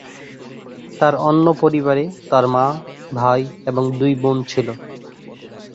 তার অন্য পরিবারে তার মা, ভাই এবং দুই বোন ছিল।